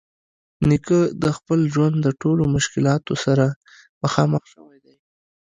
نیکه د خپل ژوند د ټولو مشکلاتو سره مخامخ شوی دی.